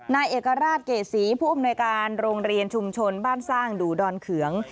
นายเอกราชเกษีผู้อำนวยการโรงเรียนชุมชนบ้านสร้างดูดอนเขือง